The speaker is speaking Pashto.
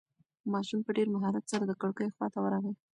ماشوم په ډېر مهارت سره د کړکۍ خواته ورغی.